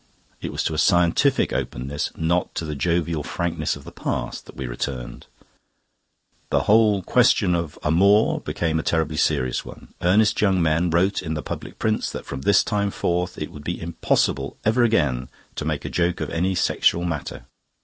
It was to a scientific openness, not to the jovial frankness of the past, that we returned. The whole question of Amour became a terribly serious one. Earnest young men wrote in the public prints that from this time forth it would be impossible ever again to make a joke of any sexual matter.